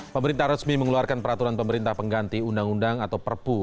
pemerintah resmi mengeluarkan peraturan pemerintah pengganti undang undang atau perpu